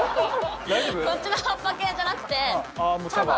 そっちの葉っぱ系じゃなくて茶葉。